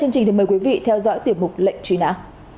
chương trình thì mời quý vị theo dõi tiểu mục lệnh truy nã